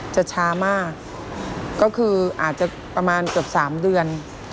ช้ามากก็คืออาจจะประมาณเกือบ๓เดือน